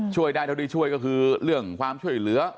ช่วยได้เท่าที่ช่วยก็คือเรื่องความช่วยเหลือ